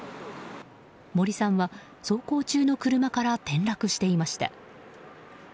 森さんは、走行中の車から転落していました。